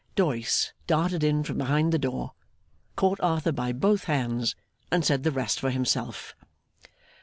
Doyce darted in from behind the door, caught Arthur by both hands, and said the rest for himself.